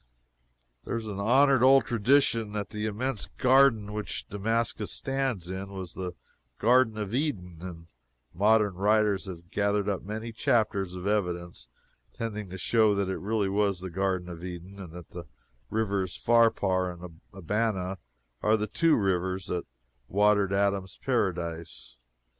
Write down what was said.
There is an honored old tradition that the immense garden which Damascus stands in was the Garden of Eden, and modern writers have gathered up many chapters of evidence tending to show that it really was the Garden of Eden, and that the rivers Pharpar and Abana are the "two rivers" that watered Adam's Paradise.